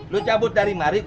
lo cabut dari mari